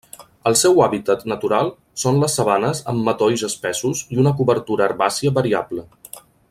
El seu hàbitat natural són les sabanes amb matolls espessos i una cobertura herbàcia variable.